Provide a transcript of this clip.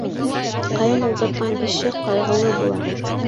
Ҡайын ултыртҡан кеше ҡайғылы була.